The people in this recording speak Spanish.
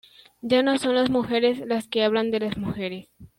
Ya no son las mujeres las que hablan de las mujeres.